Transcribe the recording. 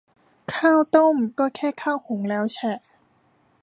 ข้าวต้ม ก็แค่ข้าวหุงแล้วแฉะ